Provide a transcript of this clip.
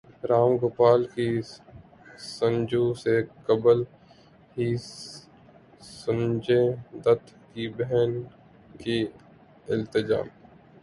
رام گوپال کی سنجو سے قبل ہی سنجے دت کی بہن کی التجا